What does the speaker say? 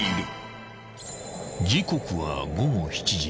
［時刻は午後７時］